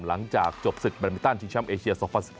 หลังจบจบสินแบตเมตตั้นชีวิตช้ำเอเชีย๒๐๑๖